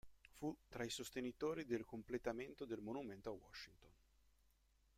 Fu tra i sostenitori del completamento del monumento a Washington.